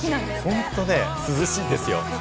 本当に涼しいんですよ。